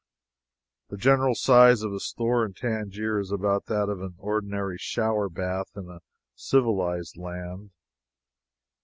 The general size of a store in Tangier is about that of an ordinary shower bath in a civilized land.